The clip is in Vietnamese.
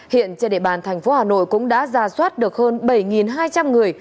hiện trên địa bàn thành phố hà nội cũng đã ra soát được hơn bảy hai trăm linh người